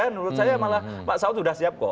menurut saya malah pak saud sudah siap kok